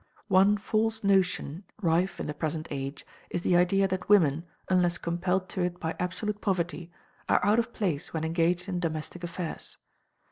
One false notion rife in the present age is the idea that women, unless compelled to it by absolute poverty, are out of place when engaged in domestic affairs.